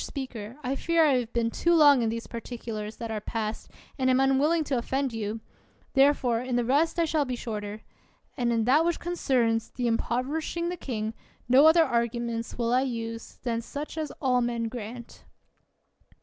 Speaker, I fear I have been too long in these particulars that are past, and am unwilling to offend you; therefore in the rest I shall be shorter. And in that which concerns the impov erishing the king, no other arguments will I use than such as all men grant.